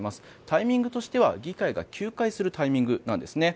タイミングとしては議会が休会するタイミングなんですね。